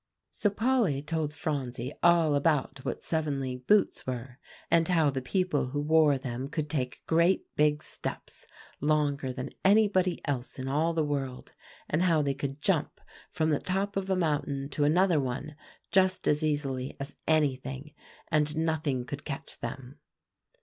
So Polly told Phronsie all about what seven league boots were, and how the people who wore them could take great big steps, longer than anybody else in all the world, and how they could jump from the top of a mountain to another one just as easily as anything, and nothing could catch them.